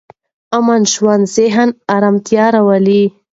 امن ژوند ذهني ارامتیا راولي.